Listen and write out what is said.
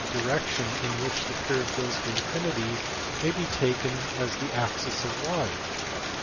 347 direction in which the curve goes to infinity may be taken as the axis of y.